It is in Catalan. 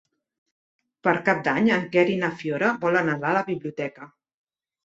Per Cap d'Any en Quer i na Fiona volen anar a la biblioteca.